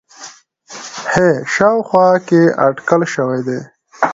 ه شاوخوا کې اټکل شوی دی